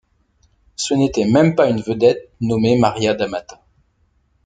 Ce n’était même pas une vedette nommée Maria d’Amata.